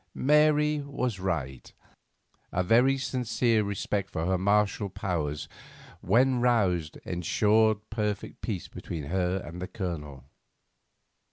Mary was right. A very sincere respect for her martial powers when roused ensured perfect peace between her and the Colonel.